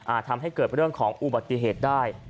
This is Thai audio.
ทำให้เกิดเรื่องของอุบัติเหตุได้